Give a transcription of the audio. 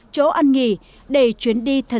chỗ ăn nghỉ để chuyến đi thật